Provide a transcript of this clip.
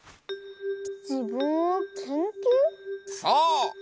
そう！